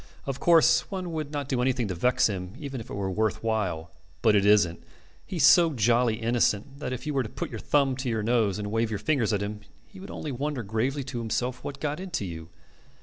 Of course one would not do anything to vex him even if it were worth while. But it isn't. He's so jolly innocent that if you were to put your thumb to your nose and wave your fingers at him he would only wonder gravely to himself what got into you.